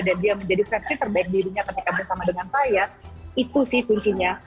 dan dia menjadi versi terbaik dirinya ketika bersama dengan saya itu sih kuncinya